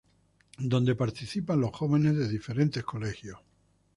Donde participan los jóvenes de diferentes colegios.